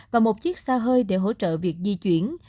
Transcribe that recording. và một chiếc xa hơi để hỗ trợ việc di chuyển